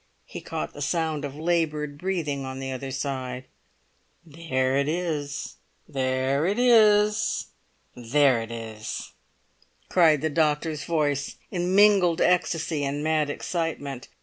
He caught the sound of laboured breathing on the other side. "There it is—there it is—there it is!" cried the doctor's voice in mingled ecstasy and mad excitement.